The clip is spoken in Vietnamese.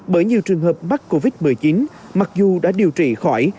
bởi nhiều trường hợp mắc covid một mươi chín mặc dù đã điều trị khỏi